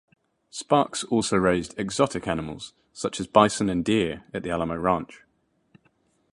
Sparks also raised "exotic" animals such as bison and deer at the Alamo Ranch.